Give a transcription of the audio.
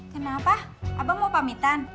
kenapa abang mau pamitan